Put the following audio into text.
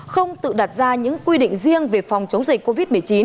không tự đặt ra những quy định riêng về phòng chống dịch covid một mươi chín